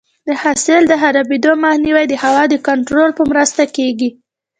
د حاصل د خرابېدو مخنیوی د هوا د کنټرول په مرسته کېږي.